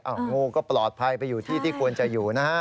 งูก็ปลอดภัยไปอยู่ที่ที่ควรจะอยู่นะฮะ